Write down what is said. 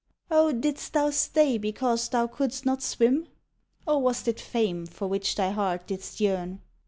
Oh, didst thou stay because thou couldst not swim? Or wast it fame for which thy heart didst yearn?